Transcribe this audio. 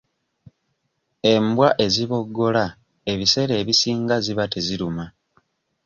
Embwa eziboggola ebiseera ebisinga ziba teziruma.